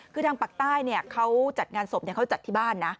คือทางปากใต้เขาจัดงานศพเขาจัดที่บ้านนะ